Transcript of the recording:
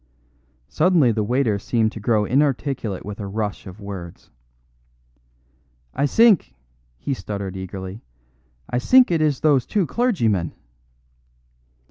Suddenly the waiter seemed to grow inarticulate with a rush of words. "I zink," he stuttered eagerly, "I zink it is those two clergy men."